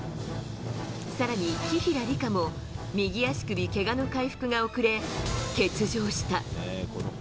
更に紀平梨花も右足首けがの回復が遅れ欠場した。